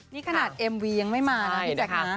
นี่ขนาดเอ็มวียังไม่มานะพี่แจ๊คนะ